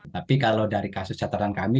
tapi kalau dari kasus catatan kami